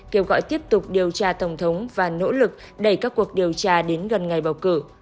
kêu gọi tiếp tục điều tra tổng thống và nỗ lực đẩy các cuộc điều tra đến gần ngày bầu cử